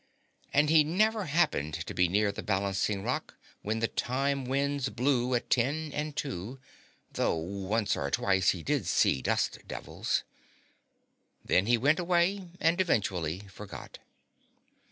And he never happened to be near the balancing rock when the time winds blew at ten and two, though once or twice he did see dust devils. Then he went away and eventually forgot.